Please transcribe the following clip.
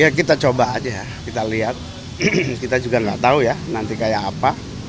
ya kita coba aja ya kita lihat kita juga nggak tahu ya nanti kayak apa